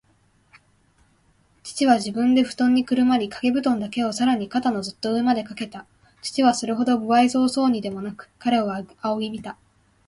父は自分でふとんにくるまり、かけぶとんだけをさらに肩のずっと上までかけた。父はそれほど無愛想そうにでもなく、彼を仰ぎ見た。